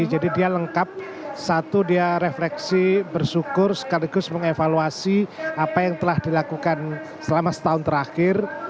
jadi dia lengkap satu dia refleksi bersyukur sekaligus mengevaluasi apa yang telah dilakukan selama setahun terakhir